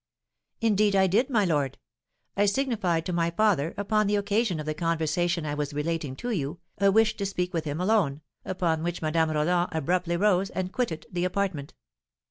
"Indeed, I did, my lord. I signified to my father, upon the occasion of the conversation I was relating to you, a wish to speak with him alone, upon which Madame Roland abruptly rose and quitted the apartment.